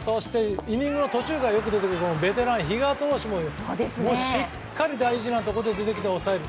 そして、イニング途中からよく出てくるベテランの比嘉投手もしっかりと大事なところで出てきて抑える。